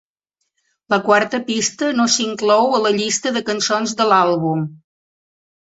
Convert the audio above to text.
La quarta pista no s'inclou a la llista de cançons de l'àlbum.